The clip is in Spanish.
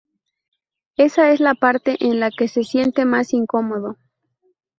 Esa es la parte con la que se siente más incómodo.